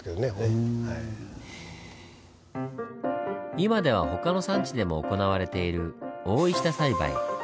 今では他の産地でも行われている覆下栽培。